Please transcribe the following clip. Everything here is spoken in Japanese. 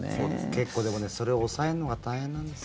結構、でもそれを抑えるのが大変なんですよ。